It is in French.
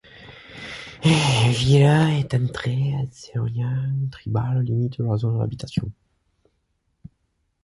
Ville est entré en Selonian tribales limites de la zone d'habitation.